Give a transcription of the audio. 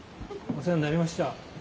お世話になりました。